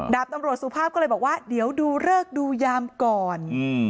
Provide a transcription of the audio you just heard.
ดาบตำรวจสุภาพก็เลยบอกว่าเดี๋ยวดูเลิกดูยามก่อน